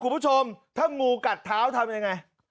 คุณผู้ชมถ้างูกัดเท้าทำยังไง